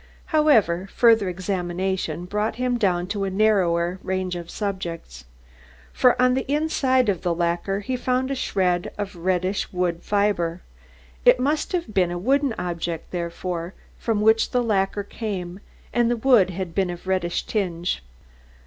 However, further examination brought him down to a narrower range of subjects. For on the inside of the lacquer he found a shred of reddish wood fibre. It must have been a wooden object, therefore, from which the lacquer came, and the wood had been of reddish tinge.